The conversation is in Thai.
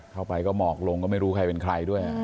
เข้าไปก็หมอกลงก็ไม่รู้ใครเป็นใครด้วย